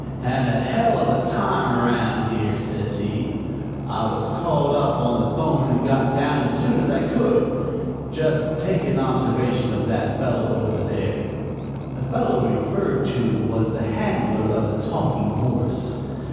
"'Had a hell of a time around here,' says he. 'I was called up on the 'phone and got down as soon as I could. Just take an observation of that fellow over there.' "The fellow referred to was the handler of the Talking Horse.